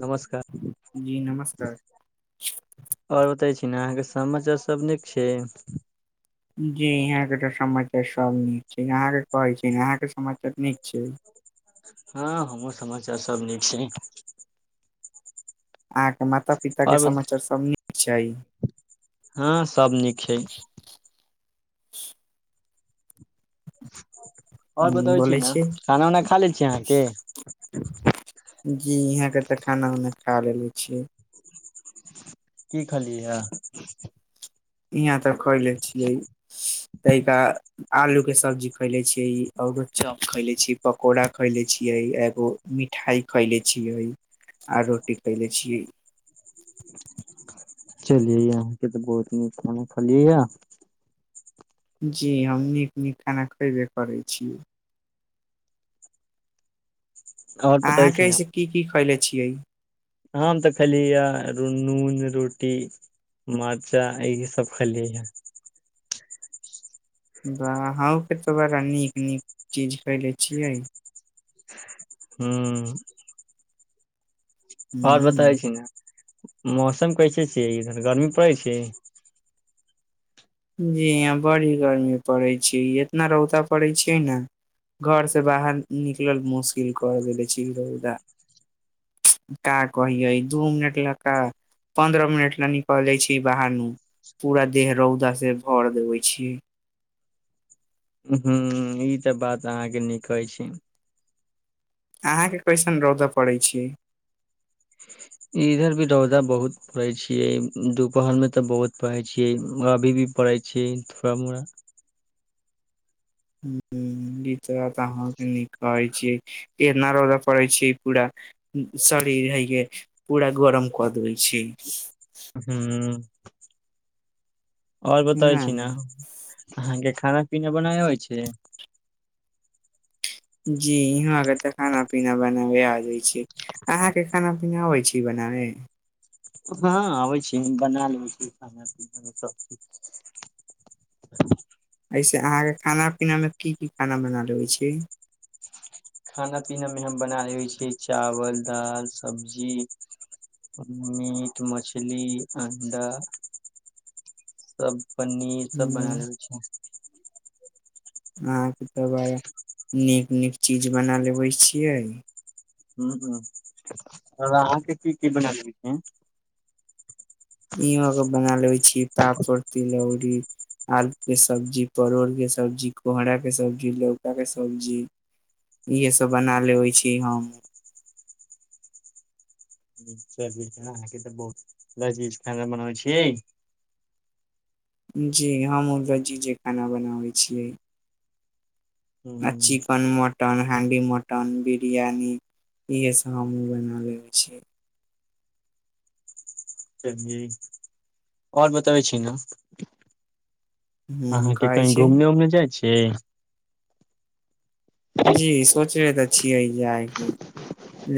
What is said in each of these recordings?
नमस्कार जी नमस्कार ओर बतै छी न अहाँके समाचार सभ नीक छै जी इहाँके त समाचार सब नीक छै अहाँके कहै छी ने अहाँके समाचार नीक छै हँ हमहूँ समाचार सभ नीक छै अहाँके माता पिताके आओर समाचार सभ नीक छै हँ सभ नीक छै [inaudible] आओर बतबै छी ने खाना उना खा लै छीये अहाँ की जी यहाँ के तऽ खाना उना खा लेले छीयै की खलियै अ यहाँ तक खोएले छियै तहि आलू के सब्जी खोएले छियै चौप खैले छी पकौड़ा खैले छियै एगो मिठाई खैले छियै आ रोटी खयले छीयै चलियै अहाँके तऽ बहुत नीक खाना खलियै य जी हम नीक नीक खाना खयबे करै छी आओर बताबै अहाँके एहिसँ की की खैले छियै हाम तऽ खाली या नून रोटी मर्चा यही सब खलियै य ब अहूँके तऽ बड़ा नीक नीक चीज खयले छियै हँ आओर बताबै हूँ छी ने मौसम कैसे छियै इधर गर्मी पड़ै छै जी यहाँ बड़ी गर्मी पड़ै छै इतना रौदा पड़ै छै न घरसँ बाहर निकलल मुश्किल कर देलै छै इ रौदा क कहि दू मिनट ल क पन्द्रह मिनट ल निकलइ छी बहर पूरा देह रौद से भर देबै छी ह ई तऽ बात अहाँके न कहै छै अहाँके कइसन रौदा पड़ै छै इधर भी रौदा बहुत पड़ै छियै दुपहर मे तऽ बहुत परे छियै अभी भी करै छी थोड़ा मोड़ा [inaudible] अभि तुरत अहाँ के न कहै छी एना रौदा पड़े छै पूरा स शरीर अरीके पूरा गरम कऽ देबै छीये हू आओर बतब छी ने हँ अहाँके खान पीना बनाय आबई छै जी यहाँ के ते खाना पीना बनाबे आबैत छै अहा के खाना पीना अबै छै बना नहि हँ आबै छी बना लेै छी खाना पीना सब [unintelligible] से अहाँके खाना पीना मे की की खाना बनालेबै छी खाना पीनामे हम बना लेबै छियै चावल दाल सब्जी मीट मछली अंडा सब पनीर सब बना अहाँके लेबे छियै अहाँके तऽ ब नीक नीक चीज बना लेबै छियै ह ह त अहाँके की की बना लेबे छियै इहोके बना लेबै छी पापड़ तिलौरी आलू के सब्जी परोर के सब्जी कोहराक के सब्जी लौका के सब्जी इहेसभ बना लेबै छी हम अहाँ तऽ बहुत लजीज खाना बनाबै छियै जी हम लजीजे खाना बनाबै छियै आ हूं chicken mutton handi mutton biryani इहे सब हमहुँ बना लेबै छियै आओर बतबै छी ने हुं अहाँके कहै कही छै घूमने उमने जाय छि जी सोच तऽ छियै जाय के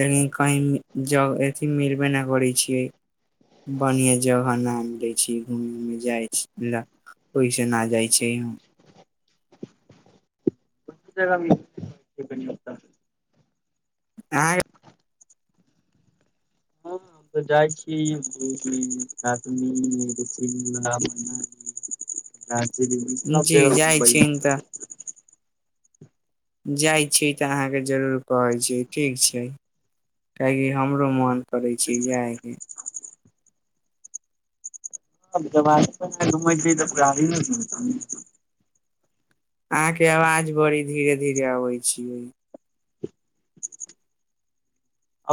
लेकिन कही जब अथी मिलबे नहि करै छियै बढ़िआँ जगह नाम लै छी घूमे मे जाइ छी ओहिस ना जाय छिय [unintelligible] आ त जाइ छी ही दार्जिलिंग सब जी जाय जगह छी घुमबइ जाइ छी तऽ अहाँ के जरूर कहै छी ठीक छै कही हमरो मोन करै छै जाय के जब जवानी मे नहि घुमय छियै तऽ बुरहारी मे घुमबै अहाँ के आवाज बड़ी धीरे धीरे अबै छीयै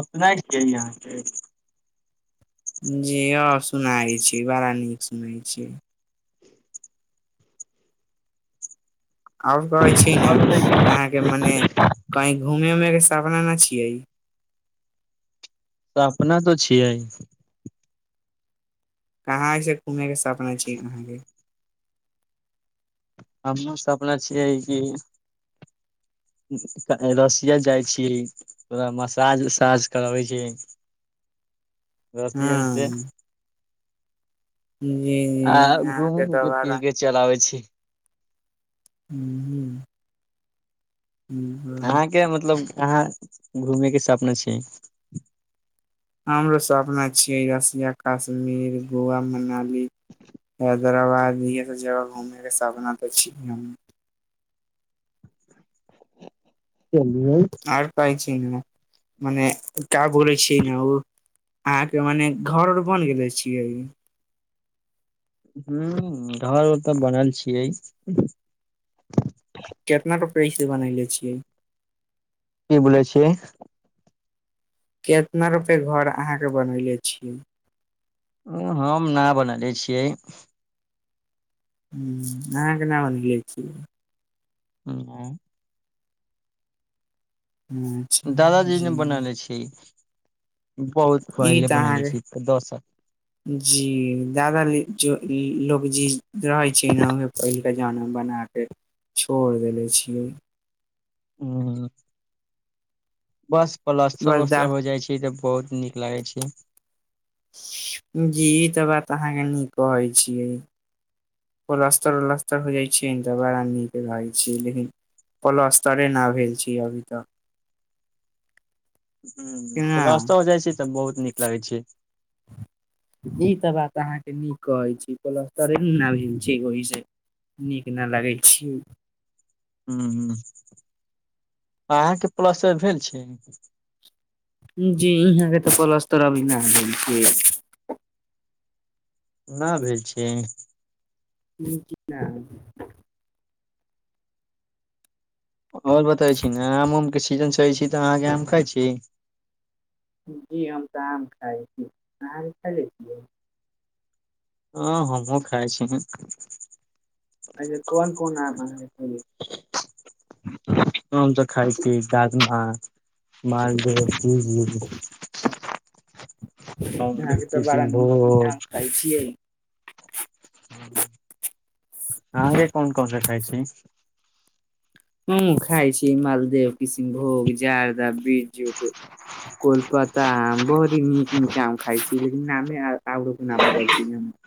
अपनाइट के यहाँ के जी हँ सुनाय छी बड़ा नीक सुनैऽ छी आ ओर कहै छि न अहाँ के मने कही घूमे उमे के सपना न छियै त अपना तऽ छियै कहाँ ऐसे घूमै के सपना छी अहाँ के हम हुँ सपने छियै कि [unintelligible] रशिया जाइ छै ओरा मसाज उसाज करबै छी [unintelligible] रशियन से हँ जी आ जी अहाँके घूम तऽ के फिर बड़ा के चल आबै छी ह ह अहाँ के मतलब अहाँ घुमै के सपना छै हमरो सब अपना छिये रसिया कश्मीर गोवा मनाली हैदराबाद भी य सब जगह घूमने के सपना त छी हम चलियै आर पाइ छै न मने क बोलै छिय ने ओ अहाँ के मने घर आर बन गेले छियै ह्म घर उर तऽ बनल छियै फिर बनले छियै की बोलै छियै केितना रुपय घर अहाँ के बनयले छियै ओ हम ना बनले छियै ह अहाँ केना बनलियै छियै [unintelligible] अच्छा दादाजी जी ने बनले छीय ई तऽ अहाँ दस साल के जी दादा ली ज लोग जी रहे छैना मे पही के जना बना के छोड़ देले छियै ह बस पलस्टर बस उस्रर द हो जाइ छै तऽ बहुत नीक लागै छै जी ई तऽ अहाँ के नीक कहै छियै पलास्तर ओलस्तर हो जाइ छै त बरा नीक लागै छियै लेकिन पलस्टर न भेल छी अभी तऽ ह पलस्टर हो जाइ छै तऽ बहुत नीक लागै छै [inaudible] ई तऽ बात अहाँ के नीक कहै अछि पलस्तरे ना भेल छै ओहि से नीक ना लगै छी हूँ हूँ अहाँके पलस्तर भेल छै। जी यहाँके तऽ पलस्तर अभी नाऽ भेल छिए। नाऽ भेल छिए। [unintelligible] ओर बताए छी न‌ऽ आम उमके सीजन छै छी तऽ अहाँके आम खाइ छी जी हम तऽ आम खाइ छी आहा आम खेले छिए। हँ हमोहुं खाइ छीए। अच्छा कोन कोन आम अहां कऽ खेले हम तऽ खाइ छी दादमा आ मालदा [unintelligible] अहाँके तऽ बड़ा नीक नीक किशनभोग आम खाइ छिए। [inaudible] अहाँके कोन कोन से खाइ छी। हम खाइ छी मालदेव किष्णभोग जारदा बीजु के कोलपता आम बहुत ही नीक नीक आम खाइ छी लेकिन नामे अ औरो के नाऽ पता छै ज़े। [inaudible]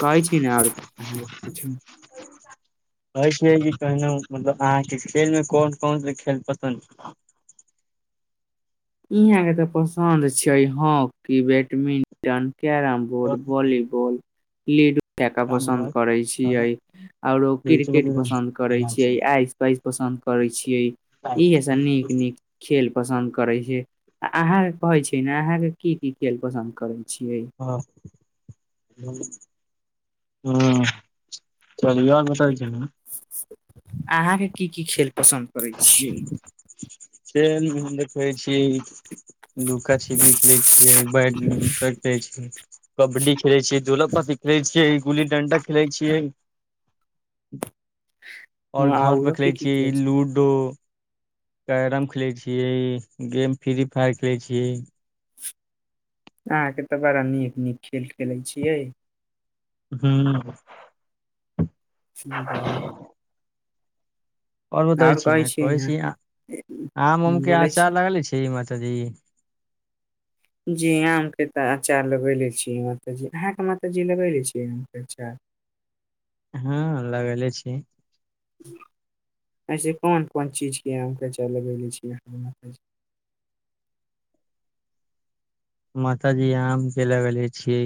कहय छी ना और आहान के कुछो। कहैछिये इ कहनो मतलब अहाँके खेलमे कोन कोन स‌ऽ खेल पसन्द इ अहाँके तऽ पसन्द छै hockey badminton carrom board volley ball ludo केका पसन्द करैऽ छिए ओरो क्रिकेट पसन्द करैऽ छिए आइस पाइस पसन्द पसंद करै छिये इ एह से नीक नीक खेल पसन्द जे अ अहां के कहे छी ने अहां की की खेल पसन्द करे छिये ह ह हूँ [unintelligible] अहाँके की की खेल पसन्द करै छिए। [unintelligible] हम देखै छिए लुका छिपी खेलै छलिए बैडमिंटन खेले छिए कबड्डी खेले छिए दोला पाती खेले छिए गुल्ली डंडा खेले छिए। ओर घर आरो पर खेलै की-की छिए खेले इ छी लूडो। कैरम खेलै छिए गेम फ्री फायर खेलै छिए। अहाँरके तऽ बड़ा नीक-नीक खेल खेलै छियै। हूँ [unintelligible] ओर बताबै और छी कहे न‌ऽ छिये कहै ने छी आ आम उम के बोले छी। अचार लगाले छी [unintelligible] जी आमके तऽ अचार लगेले छि माताजी अहाँके माताजी लगेले छीए आमके अचार? हँ लगेले छी। ऐसे कोन कोन चीजके आम के अचार लगेले छिए [unintelligible] [inaudible] माताजी आम के लगेले छी।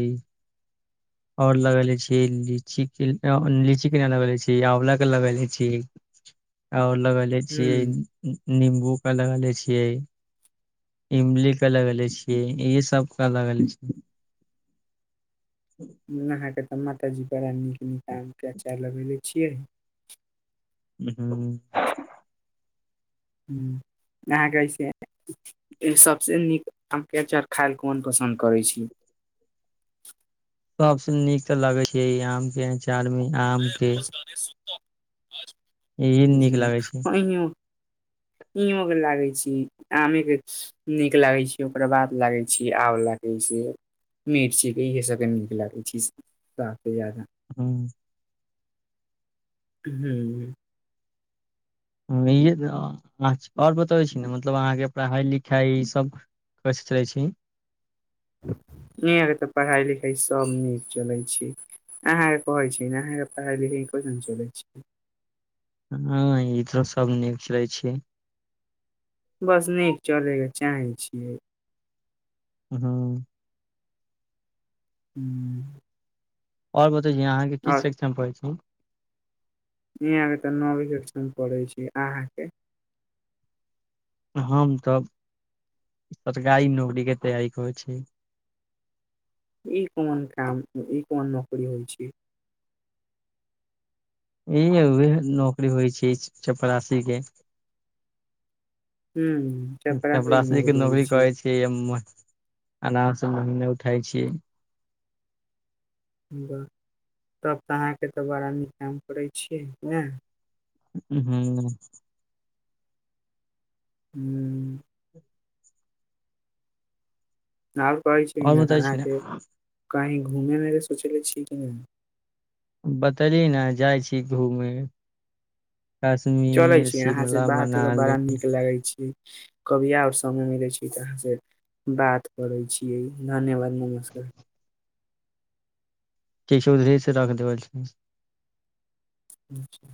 ओर लगेले छी लीची के अ लीची के नाऽ लगेले छी आँवला के लगेले छी। ओर लगेले छिए उऽ हूँ उऽ निम्बू का लगेले छिए। इमली के लगेले छि इहे सब का लगेले छिए। उम् अहाँके तऽ माताजी बड़ा नीक नीक आमके आचार लगेले छि। [unintelligible] हूँ अहाँके अइसे [unintelligible] इ सबसे नीक आमके अचार खायल कोन पसन्द करै छी? [inaudible] सबसे नीक त‌ऽ लागय छैय ई आम के अचार में आम के इहे नीक लगे छै [unintelligible] के लागे छी आमे के नीक लागे छी ओकरा बाद लागे छी आबला मिर्ची के इहे सबके नीक लागे छैय काफी जादा हँ हू आ और बतबै छी ने मतलब अहाँ के पढ़ाइ लिखाइ सभ कछ चलै छी? इहके तऽ पढ़ाइ लिखाइ सभ नीक चलै छैय। अहाँ के कहइ छि ने अहाँ के पढ़ा लिखा कथन चल छी? हँ इधरो सभ निक चलय छैय। बस नीक चलयके चाही छियै। हँ ह्म आर बतैय अहाँ के किस शिक्षा मे पढ़ै छी यहाँ के तऽ नवी कक्षा में पढ़ै छी अहाँ के हम तब सरकारी नौकरी के तैयारी करै छि ई कोनो काम ओ ई कोन नकरी होइ छैय? य उह नौकरी होइ छैय चपरासीे के। चपरासी के नौकरी करै छियै। आराम से महीने उठाय छीयै। ब तब तऽ अहाँ के तऽ बड़ा नीक काम करैत हू ह्म आ और कहै छैय और नहि बताै छी ने अहाँके कही घूमे मे सोचले छीय कि नहि? बतेली ने जाइ छी घूमे। चलय कश्मीर छी अहाँ से शिमला बात के मनाली बड़ा नीक लगै छी। कविया आ और समय मिलै छैय तऽ अहाँ सँ बात करै छियै धन्यवाद नमस्कार। किछ उधरसँ रख देबय छैय। अच्छा